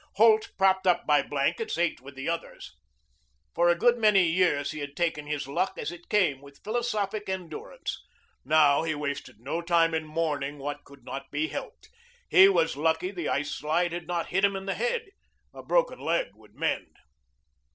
Holt, propped up by blankets, ate with the others. For a good many years he had taken his luck as it came with philosophic endurance. Now he wasted no time in mourning what could not be helped. He was lucky the ice slide had not hit him in the head. A broken leg would mend.